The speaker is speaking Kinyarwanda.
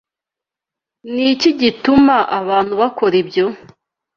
Ni iki gituma abantu bakora ibyo?